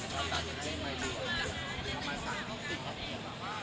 สีเอาตูต่อมั้ย